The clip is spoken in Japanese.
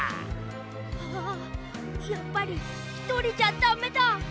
ああやっぱりひとりじゃだめだ！